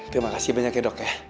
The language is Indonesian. terima kasih banyak ya dok ya